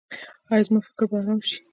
ایا زما فکر به ارام شي؟